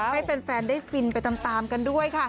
ให้แฟนได้ฟินไปตามกันด้วยค่ะ